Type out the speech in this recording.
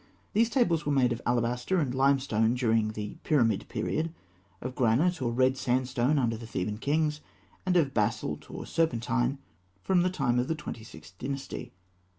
These tables were made of alabaster and limestone during the Pyramid period, of granite or red sandstone under the Theban kings, and of basalt or serpentine from the time of the Twenty sixth Dynasty.